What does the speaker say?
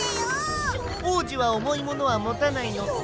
おうじはおもいものはもたないのさ。